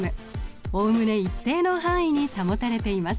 おおむね一定の範囲に保たれています。